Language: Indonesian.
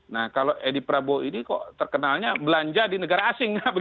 nah kalau edi prabowo ini kok terkenalnya belanja di negara asing